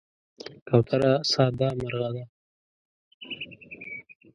کوتره ساده مرغه ده.